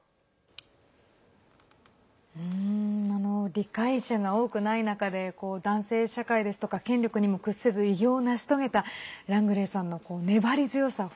理解者が多くない中で男性社会や権力にも屈せず偉業を成し遂げたラングレーさんの粘り強さ